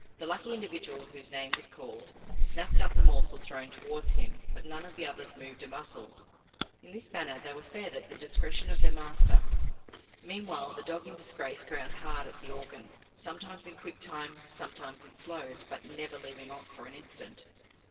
The lucky individual whose name was called, snapped up the morsel thrown towards him, but none of the others moved a muscle. In this manner they were fed at the discretion of their master. Meanwhile the dog in disgrace ground hard at the organ, sometimes in quick time, sometimes in slow, but never leaving off for an instant.